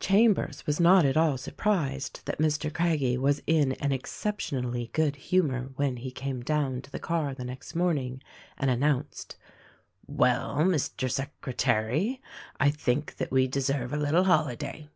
Chambers was not at all surprised that Mr. Craggie was in an exceptionally good humor when he came down to the car the next morning and announced : "Well, Mr. Secretary, I think that we deserve a little holiday.